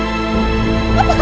apa kamu sudah lupa